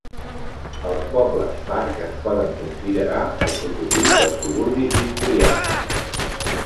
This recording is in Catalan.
Els pobles parc es poden considerar el prototip dels suburbis victorians.